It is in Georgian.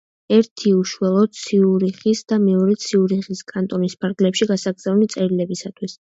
ერთი უშუალოდ ციურიხის და მეორე ციურიხის კანტონის ფარგლებში გასაგზავნი წერილებისათვის.